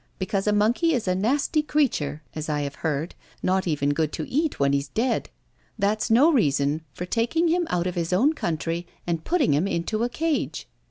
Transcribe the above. Because a monkey is a nasty creature (as I have heard, not even good to eat when he's dead), that's no reason for taking him out of his own country and putting him into a cage.